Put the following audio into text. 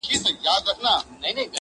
د مېلمه پالني ارزښتونه پېچکاري سي